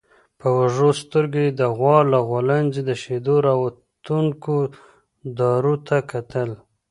په وږو سترګويې د غوا له غولانځې د شيدو راوتونکو دارو ته کتل.